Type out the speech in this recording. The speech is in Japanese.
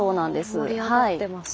あ盛り上がってますね。